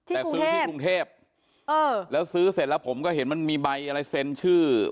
แต่ซื้อที่กรุงเทพแล้วซื้อเสร็จแล้วผมก็เห็นมันมีใบอะไรเซ็นชื่อ